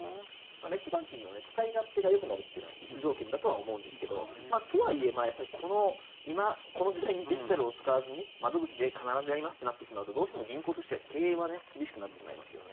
ネットバンキングの使い勝手がよくなるというのが必須条件だと思うんですがとはいえ、この時代にデジタルを使わずに窓口で必ずやってしまうとなるとどうしても銀行としては経営は厳しくなってしまいますよね。